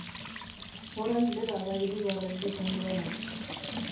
Orain bera da irribarre egiten duena.